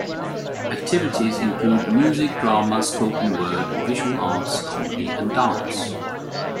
Activities include music, drama, spoken word, visual arts, comedy and dance.